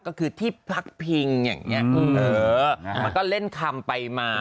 ก็คือที่พักพิงอย่างนี้มันก็เล่นคำไปมา